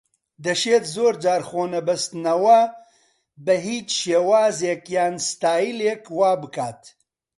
دەشێت زۆر جار خۆنەبەستنەوە بە هیچ شێوازێک یان ستایلێک وا بکات